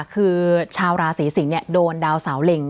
คือชาวราศีสิงศ์โดนดาวเสาเล็ง